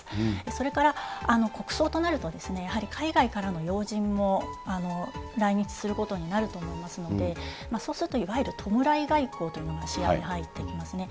それから国葬となると、やはり海外からの要人も来日することになると思いますので、そうするといわゆる弔い外交というのが視野に入ってきますね。